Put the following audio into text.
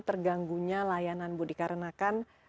terganggunya layanan bu dikarenakan